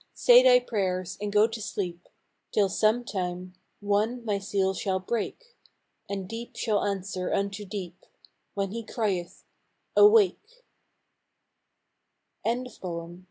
Say thy prayers, and go to sleep, Till some time , One my seal shall break, And deep shall answer unto deep, When He crieth, 'Awake /'" LOOK UP.